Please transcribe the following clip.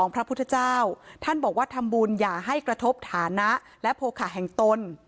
พระพุทธเจ้าท่านบอกว่าทำบุญอย่าให้กระทบฐานะและโภคะแห่งตน